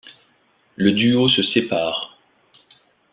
Le duo se sépare.